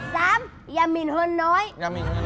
สามอย่ามีเนิดน้อย